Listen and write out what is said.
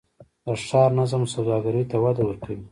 د ښار نظم سوداګرۍ ته وده ورکوي؟